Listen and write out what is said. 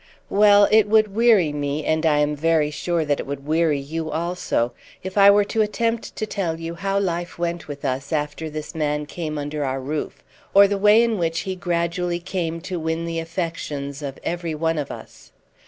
Well, it would weary me, and I am very sure that it would weary you also, if I were to attempt to tell you how life went with us after this man came under our roof, or the way in which he gradually came to win the affections of every one of us.